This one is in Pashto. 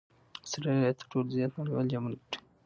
اسټراليا تر ټولو زیات نړۍوال جامونه ګټلي دي.